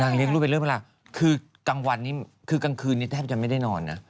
เลี้ยงลูกเป็นเรื่องเวลาคือกลางวันนี้คือกลางคืนนี้แทบจะไม่ได้นอนนะ